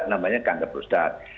namanya kanker perusahaan